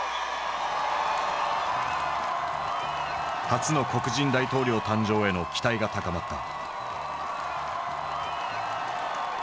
初の黒人大統領誕生への期待が高まった。